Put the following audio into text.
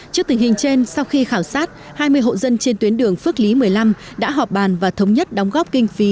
trước tình hình trên sau khi khảo sát hai mươi hộ dân trên tuyến đường phước lý một mươi năm đã họp bàn và thống nhất đóng góp kinh phí